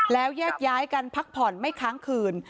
แล้วแยกย้ายกันพักผ่อนไม่ค้างคืน